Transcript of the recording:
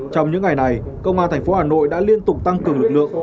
trong những ngày này công an tp hà nội đã liên tục tăng cường lực lượng